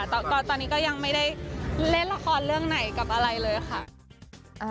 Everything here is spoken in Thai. ตอนนี้ก็ยังไม่ได้เล่นละครเรื่องไหนกับอะไรเลยค่ะ